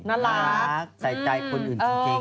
น่ารักใส่ใจคนอื่นจริง